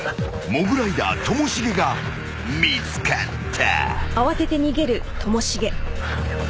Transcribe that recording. ［モグライダーともしげが見つかった］